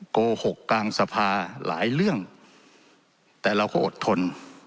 โกหกกลางสภาหลายเรื่องแต่เราก็อดทน